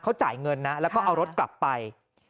เขาจ่ายเงินนะแล้วก็เอารถกลับไป